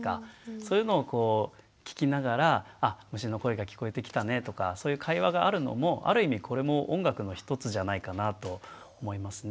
そういうのをこう聞きながらあ虫の声が聞こえてきたねとかそういう会話があるのもある意味これも音楽の一つじゃないかなと思いますね。